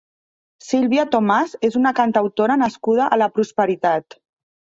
Sílvia Tomàs és una cantautora nascuda a La Prosperitat.